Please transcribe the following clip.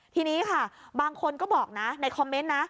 ทีนี้ค่ะบางคนก็บอกนะในคอมเมนต์นะ